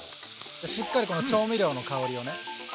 しっかりこの調味料の香りをね。